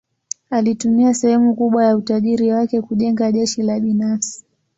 Alitumia sehemu kubwa ya utajiri wake kujenga jeshi la binafsi.